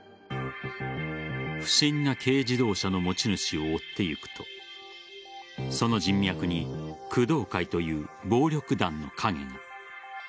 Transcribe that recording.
不審な軽自動車の持ち主を追っていくとその人脈に工藤会という暴力団の影が。